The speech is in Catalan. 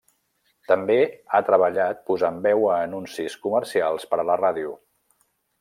També ha treballat posant veu a anuncis comercials per a la ràdio.